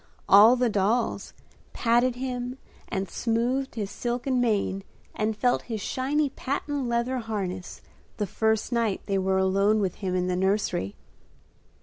All the dolls patted him and smoothed his silken mane and felt his shiny patent leather harness the first night they were alone with him in the nursery.